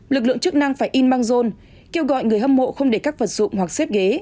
lực lượng chức năng phải in băng rôn kêu gọi người hâm mộ không để các vật dụng hoặc xếp ghế